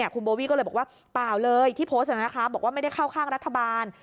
คุณโบวี่ก็เลยบอกว่าเปล่าเลยที่โพสต์บอกว่าไม่ได้เข้าข้างรัฐบาล